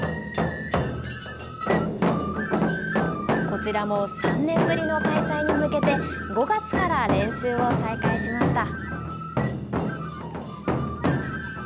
こちらも３年ぶりの開催に向けて、５月から練習を再開しました。